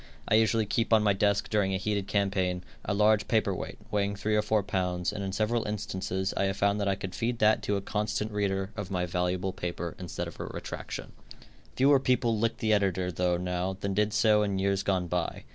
I usually keep on my desk during a heated campaign, a large paper weight, weighing three or four pounds, and in several instances I have found that I could feed that to a constant reader of my valuable paper instead of a retraction. Fewer people lick the editor though, now, than did so in years gone by.